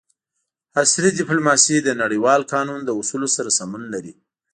عصري ډیپلوماسي د نړیوال قانون له اصولو سره سمون لري